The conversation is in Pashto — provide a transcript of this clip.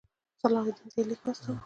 صلاح الدین ته یې لیک واستاوه.